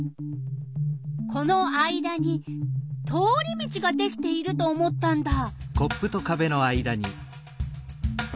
この間に通り道ができていると思ったんだ！